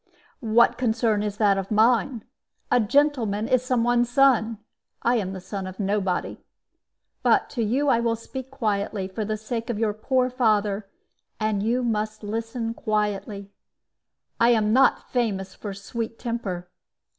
"What concern is that of mine? A gentleman is some one's son. I am the son of nobody. But to you I will speak quietly, for the sake of your poor father. And you must listen quietly. I am not famous for sweet temper.